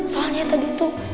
soalnya tadi tuh